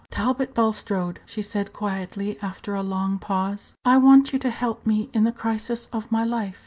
"Talbot Bulstrode," she said, quietly, after a long pause, "I want you to help me in the crisis of my life.